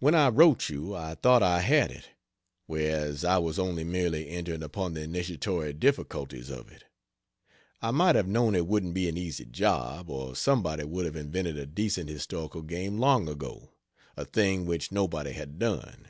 When I wrote you, I thought I had it; whereas I was only merely entering upon the initiatory difficulties of it. I might have known it wouldn't be an easy job, or somebody would have invented a decent historical game long ago a thing which nobody had done.